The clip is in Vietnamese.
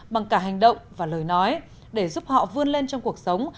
bằng cả hành động và lời nói để giúp họ vươn lên trong cuộc sống